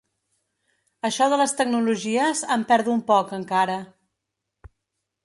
Això de les tecnologies em perdo un poc encara.